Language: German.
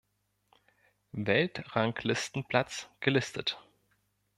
Weltranglistenplatz gelistet.